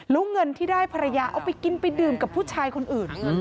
แล้วเงินที่ได้ภรรยาเอาไปกินไปดื่มกับผู้ชายคนอื่น